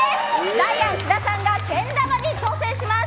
ダイアン津田さんがけん玉に挑戦します。